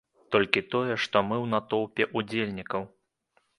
Толькі тое, што мы у натоўпе ўдзельнікаў.